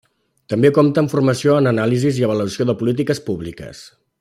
També compta amb formació en Anàlisi i Avaluació de Polítiques Públiques.